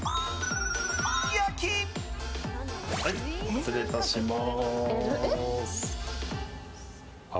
失礼いたします。